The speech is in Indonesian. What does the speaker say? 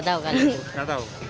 mereka juga berpengalaman